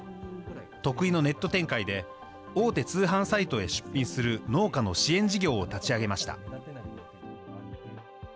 得意のネット展開で、大手通販サイトへ出品する農家の支援事業を立ち上げました。